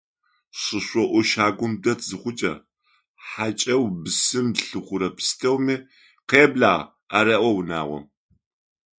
Шышӏоӏу щагум дэт зыхъукӏэ, хьакӏэу бысым лъыхъурэ пстэуми «къеблагъ» ареӏо унагъом.